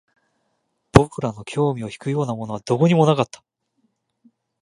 僕らの興味を引くようなものはどこにもなかった